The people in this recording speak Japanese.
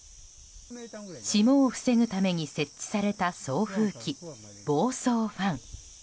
霜を防ぐために設置された送風機防霜ファン。